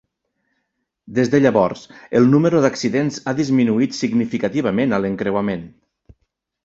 Des de llavors, el número d'accidents ha disminuït significativament a l'encreuament.